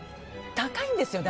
高いんですよ。